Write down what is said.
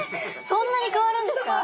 そんなに変わるんですか！？